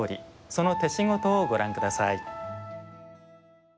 その手仕事をご覧下さい。